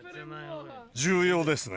重要ですね。